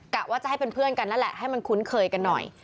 กะว่าจะให้เป็นเพื่อนกันนั่นแหละให้มันคุ้นเคยกันหน่อย